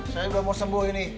saya sudah mau sembuh ini